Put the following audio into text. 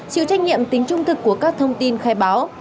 chịu trách nhiệm tính trung thực của các thông tin khai báo